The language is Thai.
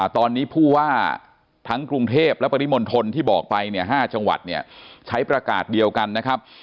ตอนนี้ผู้ว่าทั้งกรุงเทพและปริมณฑลที่บอกไปเนี่ย๕จังหวัดเนี่ยใช้ประกาศเดียวกันนะครับ